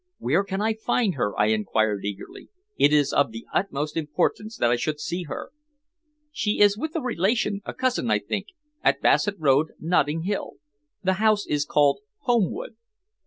"Where can I find her?" I inquired eagerly. "It is of the utmost importance that I should see her." "She is with a relation, a cousin, I think, at Bassett Road, Notting Hill. The house is called 'Holmwood.'"